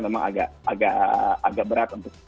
agak berat untuk